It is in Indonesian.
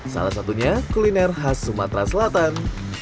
salah satunya kuliner khas sumatera selatan